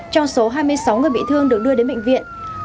trong số hai mươi sáu người bị thương được đưa đến bệnh viện